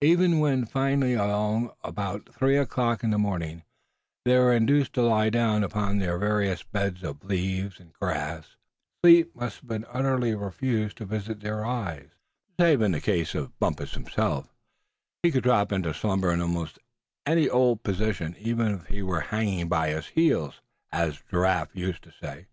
Even when finally, along about three in the morning, they were induced to lie down upon their various beds of leaves and grass, sleep must have utterly refused to visit their eyes, save in the case of Bumpus himself; and he could drop into slumber in almost "any old position, even if he were hanging by his heels," as Giraffe used to say.